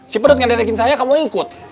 si pedut nggak ledakin saya kamu ikut